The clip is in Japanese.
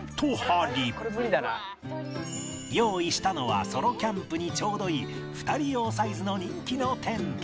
用意したのはソロキャンプにちょうどいい２人用サイズの人気のテント